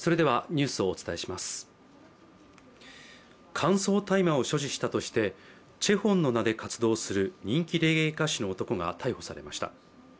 乾燥大麻を所持したとしてＣＨＥＨＯＮの名で活動する人気レゲエ歌手の男が逮捕されました。